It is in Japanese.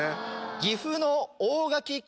岐阜の大垣北。